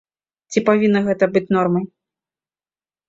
Ці павінна гэта быць нормай?